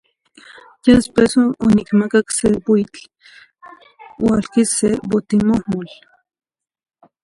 Ya después non nicamac n buitl ualquisa se bohtimohmol.